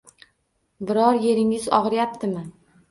Biror yeringiz og’riyaptimi?